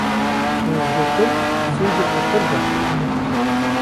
Rêzgirtin, sincekî pir baş e.